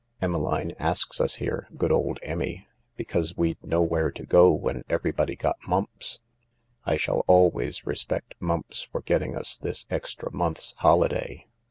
Emmeline asks us here — good old Emmy 1 — because we'd nowhere to go when everybody got mumps. I shall always respect mumps for getting us this extra month's holiday.